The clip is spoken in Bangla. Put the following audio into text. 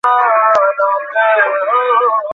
আবু বকর আব্দুল্লাহ এই মূহুর্তে ভারতে মোস্ট ওয়ান্টেড আসামী।